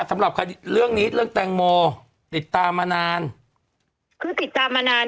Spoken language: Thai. สำหรับคดีเรื่องนี้เรื่องแตงโมติดตามมานานคือติดตามมานาน